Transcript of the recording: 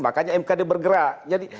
makanya mkd bergerak